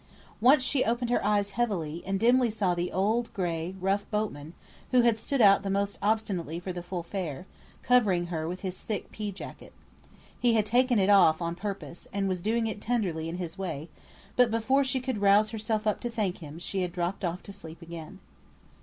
Once she opened her eyes heavily, and dimly saw the old gray, rough boatman (who had stood out the most obstinately for the full fare) covering her with his thick pea jacket. He had taken it off on purpose, and was doing it tenderly in his way, but before she could rouse herself up to thank him she had dropped off to sleep again.